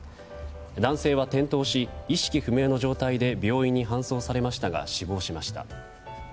男性は転倒し意識不明の状態で病院に搬送されましたが死亡しました。